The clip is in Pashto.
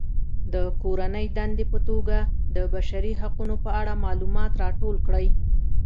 د کورنۍ دندې په توګه د بشري حقونو په اړه معلومات راټول کړئ.